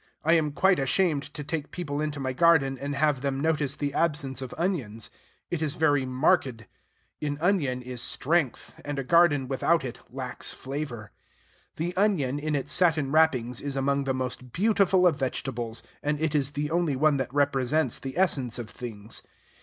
I am quite ashamed to take people into my garden, and have them notice the absence of onions. It is very marked. In onion is strength; and a garden without it lacks flavor. The onion in its satin wrappings is among the most beautiful of vegetables; and it is the only one that represents the essence of things.